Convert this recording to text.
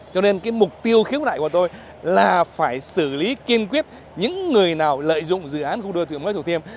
cho nên cái mục tiêu khiếu nại của tôi là phải xử lý kiên quyết những người nào lợi dụng dự án khu đô thị mới thủ thiêm